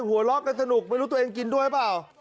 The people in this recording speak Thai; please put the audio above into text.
หัวเราะกันสนุกไม่รู้ตัวเองกินด้วยเปล่า